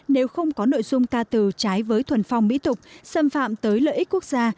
nếu không có nội dung ca từ trái với thuần phong mỹ tục xâm phạm tới lợi ích quốc gia